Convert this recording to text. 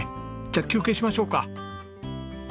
じゃあ休憩しましょうか。